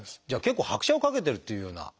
じゃあ結構拍車をかけてるっていうような。